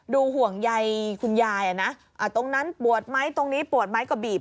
ดูหวงใยคุณยายอ่ะนะอ่ะตรงนั้นปวดไหมตรงนี้ปวดไม้ก็บีบ